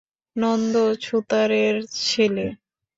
নন্দ ছুতারের ছেলে।